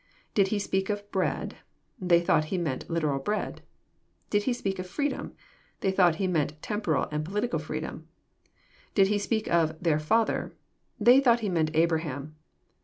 Did He speak of " bread '*? They thought He meant literal bread. — Did He speak of " freedom "? They thought He meant temporal and political freedom. — Did He speak of "their Father "? They thought He meant Abraham.